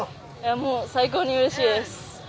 もう最高にうれしいです。